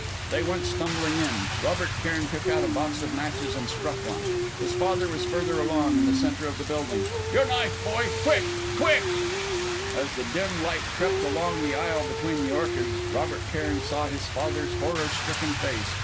They went stumbling in. Robert Cairn took out a box of matches and struck one. His father was further along, in the centre building. "Your knife, boy quick! quick!" As the dim light crept along the aisle between the orchids, Robert Cairn saw his father's horror stricken face